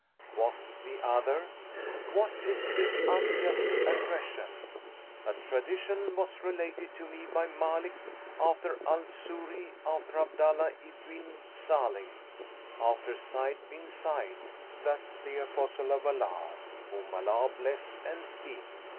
Quoth the other, "What is this unjust aggression? A tradition was related to me by Mαlik[FN#117] after Al Zuhri, after Abdallah ibn Sαlim, after Sa'νd bin Zayd, that the Apostle of Allah (whom Allah bless and keep!)